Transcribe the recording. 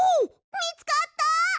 みつかった！？